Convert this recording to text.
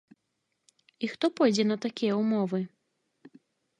І хто пойдзе на такія ўмовы?